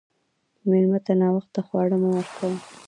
مېلمه ته ناوخته خواړه مه ورکوه.